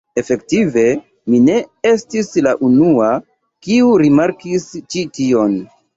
Efektive, mi ne estis la unua, kiu rimarkis ĉi tion.